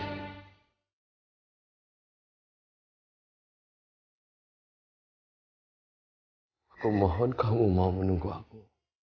aku mohon kamu mau menunggu aku